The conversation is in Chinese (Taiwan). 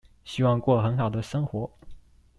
希望過很好的生活